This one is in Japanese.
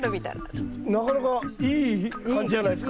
なかなかいい感じじゃないですか。